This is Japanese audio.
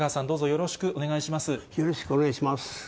よろしくお願いします。